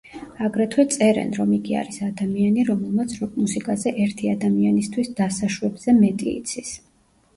აგრეთვე წერენ, რომ იგი არის „ადამიანი, რომელმაც როკ-მუსიკაზე ერთი ადამიანისთვის დასაშვებზე მეტი იცის“.